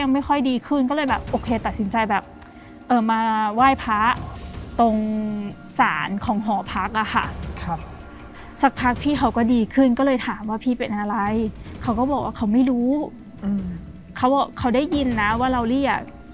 มาไหว้พระตรงศาลของหอพักอ่ะค่ะครับสักพักพี่เขาก็ดีขึ้นก็เลยถามว่าพี่เป็นอะไรเขาก็บอกว่าเขาไม่รู้อืมเขาเขาได้ยินนะว่าเราเรียก